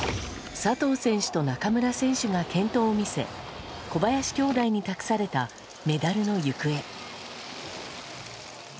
佐藤選手と中村選手が健闘を見せ小林兄弟に託されたメダルの行方。